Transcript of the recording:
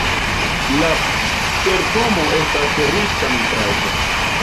La terpomo estas riĉa nutraĵo.